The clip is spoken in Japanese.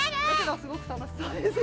すごく楽しそうですね。